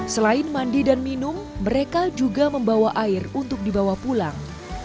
selain mandi dan minum mereka juga membawa air untuk dibawa pulang